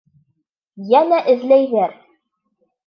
Йәнә эҙләйҙәр.